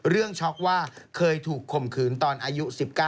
เรื่องช็อคว่าเคยถูกข่มขืนตอนอายุ๑๙